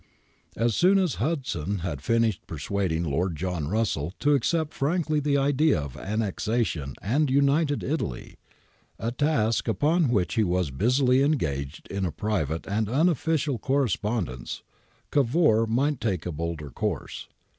As soon as Hudson had finished persuad ing Lord John Russell to accept frankly the idea of annexation and united Italy, a task upon which he was busily engaged in a private and unofficial correspond ence,* Cavour might take a bolder course.